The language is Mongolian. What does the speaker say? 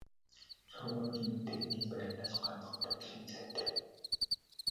Сургууль нь тэдний байрнаас ганцхан буудлын зайтай.